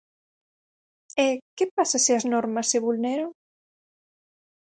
E, que pasa se as normas se vulneran?